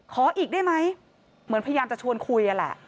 ขออีกได้ไหมเหมือนพยายามจะชวนคุยนั่นแหละ